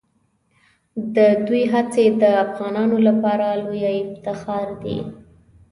د دوی هڅې د افغانانو لپاره لویه افتخار دي.